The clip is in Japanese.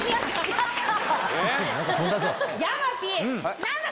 山Ｐ！